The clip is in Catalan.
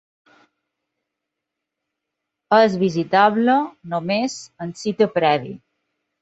És visitable només amb cita prèvia.